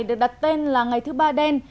được đặt tên là ngày thứ ba đen